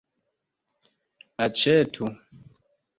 aĉetu